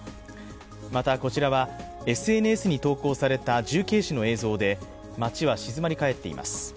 また、こちらはＳＮＳに投稿された重慶市の映像で街は静まりかえっています。